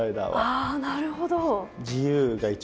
ああなるほど。